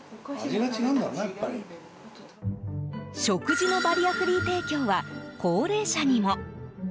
食事のバリアフリー提供は高齢者にも。